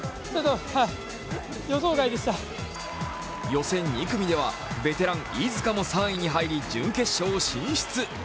予選２組ではベテラン飯塚も３位に入り準決勝進出。